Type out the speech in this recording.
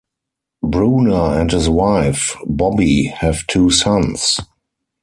Bruner and his wife, Bobbie, have two sons.